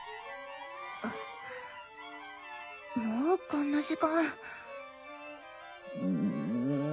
もうこんな時間。